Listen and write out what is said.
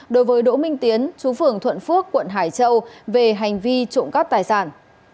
đối với đỗ minh tiến chú phường thuận phước quận hải châu về hành vi trộm cắp tài sản